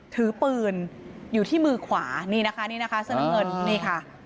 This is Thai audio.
ถือปืนอยู่ที่มือขวานี่นะคะนี่นะคะเสื้อน้ำเงินนี่ค่ะ